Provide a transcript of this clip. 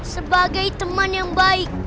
sebagai teman yang baik